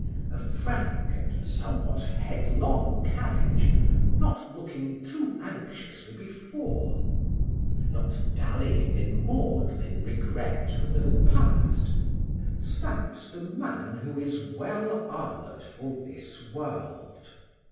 A frank and somewhat headlong carriage, not looking too anxiously before, not dallying in maudlin regret over the past, stamps the man who is well armoured for this world.